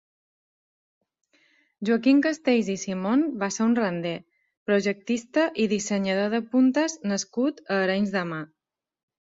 Joaquim Castells i Simón va ser un rander, projectista i dissenyador de puntes nascut a Arenys de Mar.